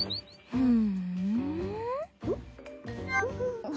うん。